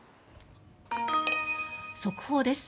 速報です。